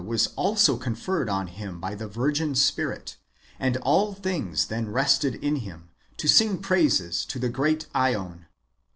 103 was also conferred on him by the virgin spirit ; and all things then rested in him, to sing praises to the great <3Eon.